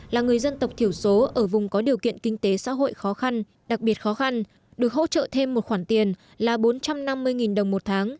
là người dân tộc thiểu số ở vùng có điều kiện kinh tế xã hội khó khăn đặc biệt khó khăn được hỗ trợ thêm một khoản tiền là bốn trăm năm mươi đồng một tháng